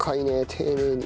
丁寧に。